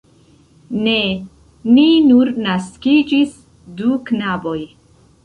Ne! Ni nur naskiĝis du knaboj!